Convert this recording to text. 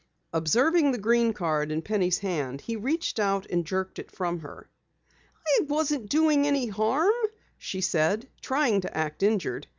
Observing the green card in Penny's hand he reached out and jerked it from her. "I wasn't doing any harm," she said, trying to act injured.